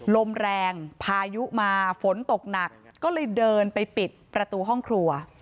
ลมแรงพายุมาฝนตกหนักก็เลยเดินไปปิดประตูห้องครัว